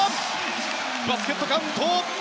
バスケットカウント。